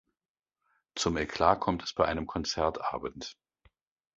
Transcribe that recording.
Zum Eklat kommt es bei einem Konzertabend.